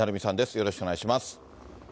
よろしくお願いします。